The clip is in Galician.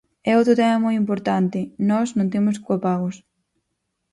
E outro tema moi importante: nós non temos copagos.